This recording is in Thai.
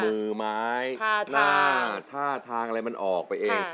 มือไม้หน้าท่าทางอะไรมันออกไปเอง